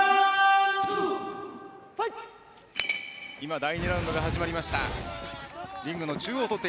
第２ラウンドが始まりました。